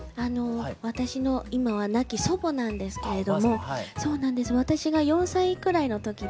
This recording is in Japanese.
私の今は亡き祖母なんですけれども私が４歳くらいの時で。